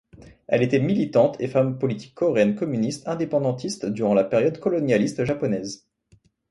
Elle était militante et femme politique coréenne communiste indépendantiste durant la période colonialiste japonaise.